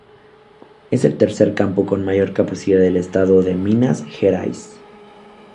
Es el tercer campo con mayor capacidad del Estado de Minas Gerais.